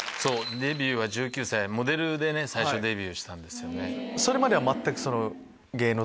デビューは１９歳モデルでね最初デビューしたんです。